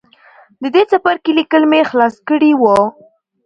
د دې څپرکي ليکل مې خلاص کړي وو.